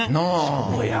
そうや。